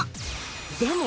でも